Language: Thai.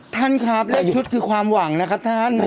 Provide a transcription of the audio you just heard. ท่านครับเลขชุดคือความหวังนะครับท่าน